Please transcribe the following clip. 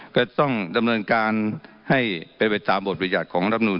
ก็จะต้องดำเนินการให้เป้นไปตามบทบริหารของรับบันทุน